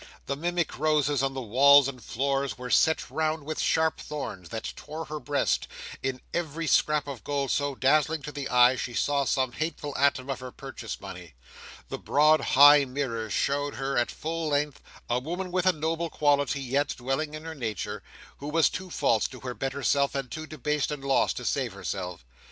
The mimic roses on the walls and floors were set round with sharp thorns, that tore her breast; in every scrap of gold so dazzling to the eye, she saw some hateful atom of her purchase money; the broad high mirrors showed her, at full length, a woman with a noble quality yet dwelling in her nature, who was too false to her better self, and too debased and lost, to save herself.